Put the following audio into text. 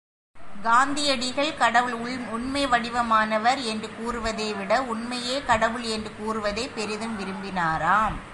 காந்தியடிகள் கடவுள் உண்மை வடிவானவர் என்று கூறுவதைவிட உண்மையே கடவுள் என்று கூறுவதைப் பெரிதும் விரும்பினாராம்.